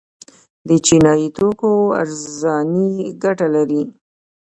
د چینایي توکو ارزاني ګټه لري؟